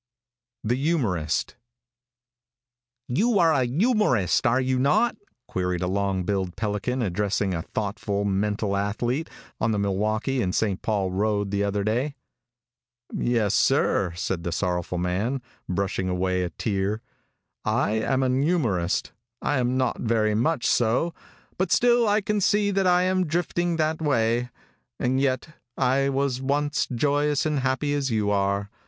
THE YOUMORIST. |You are an youmorist, are you not?" queried a long billed pelican addressing a thoughtful, mental athlete, on the Milwaukee & St. Paul road the other day. "Yes, sir," said the sorrowful man, brushing away a tear. "I am an youmorist. I am not very much so, but still I can see that I am drifting that way. And yet I was once joyous and happy as you are.